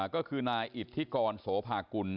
ก็คือนายอิทธิกรโสภากุล